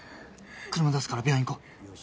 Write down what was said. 車出すから病院行こう。